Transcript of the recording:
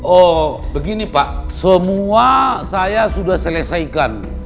oh begini pak semua saya sudah selesaikan